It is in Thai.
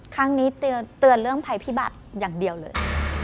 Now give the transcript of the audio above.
ครั้งนี้เตือนเรื่องภัยพิบัติอย่างเดียวเลย